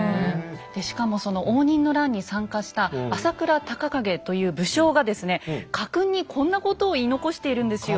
しかもその応仁の乱に参加した朝倉孝景という武将がですね家訓にこんなことを言い残しているんですよ。